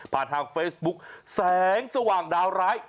ทางเฟซบุ๊กแสงสว่างดาวร้าย